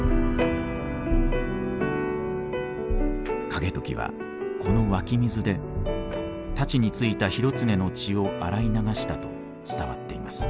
景時はこの湧き水で太刀についた広常の血を洗い流したと伝わっています。